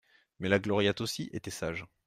Mais la Gloriette aussi était sage.